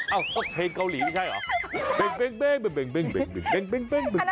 ไม่ใช่เกาหลีอะไรก็ไม่รู้